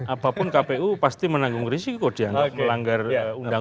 apapun kpu pasti menanggung risiko dianggap melanggar undang undang